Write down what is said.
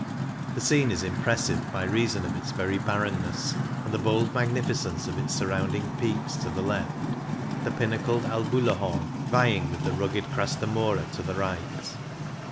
The scene is impressive by reason of its very barrenness and the bold magnificence of its surrounding peaks to the left, the pinnacled Albulahorn vying with the rugged Crasta Mora to the right.